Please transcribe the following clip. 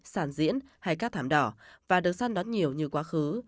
sản diễn hay các thảm đỏ và được săn đón nhiều như quá khứ